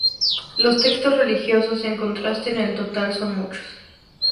Los textos religiosos, en contraste con el total, son muchos.